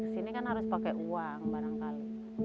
sini kan harus pakai uang barangkali